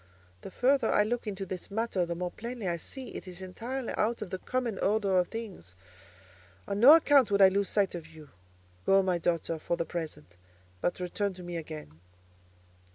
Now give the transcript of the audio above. The further I look into this matter, the more plainly I see it is entirely out of the common order of things. On no account would I lose sight of you. Go, my daughter, for the present; but return to me again."